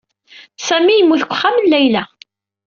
Sami yemmut deg uxxam n Layla.